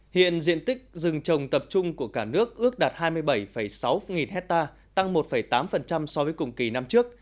hiện diện tích rừng trồng tập trung của cả nước ước đạt hai mươi bảy sáu nghìn hectare tăng một tám so với cùng kỳ năm trước